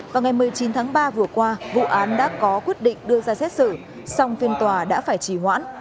vào ngày một mươi chín tháng ba vừa qua vụ án đã có quyết định đưa ra xét xử song phiên tòa đã phải trì hoãn